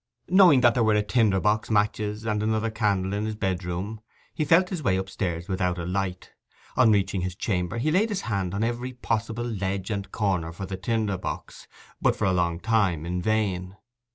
Knowing that there were a tinder box, matches, and another candle in his bedroom, he felt his way upstairs without a light. On reaching his chamber he laid his hand on every possible ledge and corner for the tinderbox, but for a long time in vain.